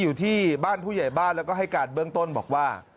อยู่ที่บ้านผู้ใหญ่บ้านแล้วก็ให้การเบื้องต้นบอกว่า